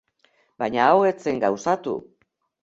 Baina hau ez zen gauzatu.